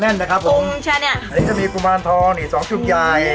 อ๋อแน่นเลยครับผมฟุ้งใช่เนี่ยอันนี้จะมีกุมาลทองตะขานี่สองขาหาย